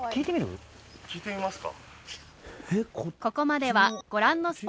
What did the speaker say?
聞いてみますか。